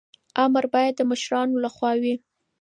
امر باید د مشرانو لخوا وي.